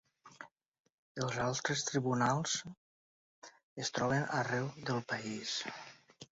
Els altres tribunals es troben arreu del país.